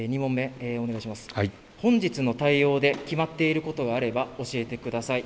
本日の対応で決まっていることがあれば教えてください。